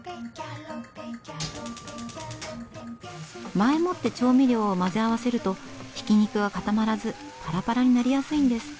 前もって調味料を混ぜ合わせるとひき肉が固まらずパラパラになりやすいんです。